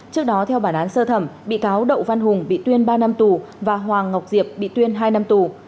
trước đó theo bản án sơ thẩm bị cáo đậu văn hùng bị tuyên ba năm tù và hoàng ngọc diệp bị tuyên hai năm tù